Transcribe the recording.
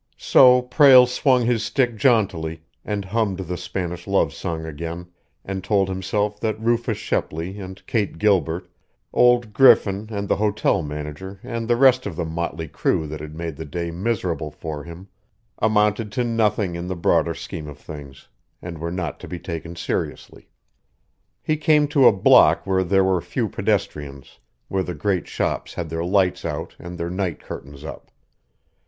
So Prale swung his stick jauntily, and hummed the Spanish love song again, and told himself that Rufus Shepley and Kate Gilbert, old Griffin and the hotel manager and the rest of the motley crew that had made the day miserable for him amounted to nothing in the broader scheme of things, and were not to be taken seriously. He came to a block where there were few pedestrians, where the great shops had their lights out and their night curtains up.